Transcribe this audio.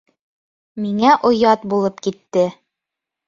Миңә оят булып китте.